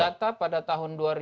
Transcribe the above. data pada tahun dua ribu dua